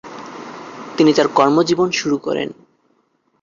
তিনি তার কর্মজীবন শুরু করেন।